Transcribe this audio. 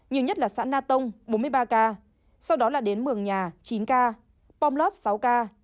nhiều nhất là xã na tông bốn mươi ba ca sau đó là đến mường nhà chín ca pomlot sáu ca